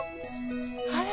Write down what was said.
あら？